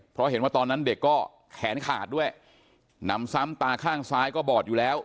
เพราะเห็นว่าตอนนั้นเด็กก็แขนขาดด้วยหนำซ้ำตาข้างซ้ายก็บอดอยู่แล้ว